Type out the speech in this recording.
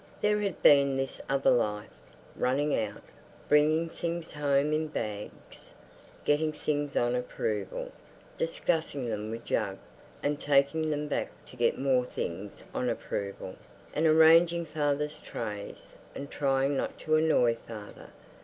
There had been this other life, running out, bringing things home in bags, getting things on approval, discussing them with Jug, and taking them back to get more things on approval, and arranging father's trays and trying not to annoy father.